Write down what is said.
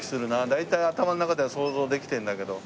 大体頭の中では想像できてるんだけど。